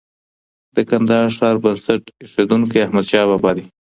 د کندهار ښار بنسټ ايښونکی احمد شاه بابا دی